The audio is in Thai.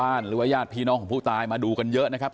แล้วเราทำยังไงถึง